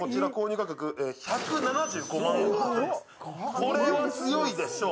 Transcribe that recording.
これは強いでしょう。